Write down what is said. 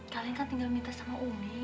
kalian kan tinggal minta sama umi